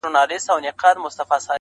حقيقت د سور تر شا ورک پاتې کيږي تل,